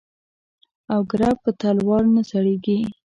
او گره په تلوار نه سړېږي.